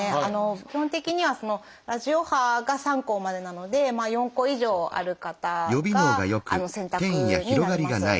基本的にはラジオ波が３個までなので４個以上ある方が選択になります。